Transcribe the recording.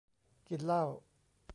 กินเหล้า